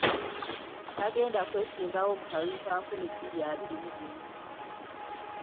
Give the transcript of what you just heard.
Tagenda kwesimbawo mu kalulu ka nkumi bbiri abiri mu gumu.